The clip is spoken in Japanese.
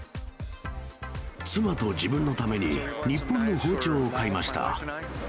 妻と自分のために、日本の包丁を買いました。